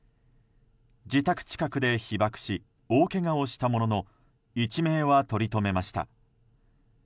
自宅近くで被爆し大けがをしたものの一命はとりとめました。